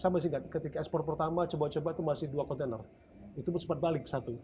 saya masih ingat ketika ekspor pertama coba coba itu masih dua kontainer itu sempat balik satu